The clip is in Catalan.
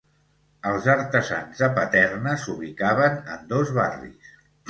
Els artesans de Paterna s'ubicaven en dos barris.